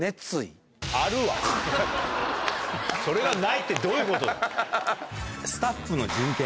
それがないってどういうことだ。